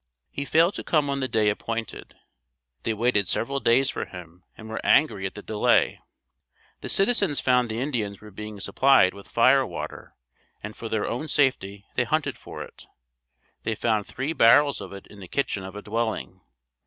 He failed to come on the day appointed. They waited several days for him and were angry at the delay. The citizens found the Indians were being supplied with fire water and for their own safety, they hunted for it. They found three barrels of it in the kitchen of a dwelling.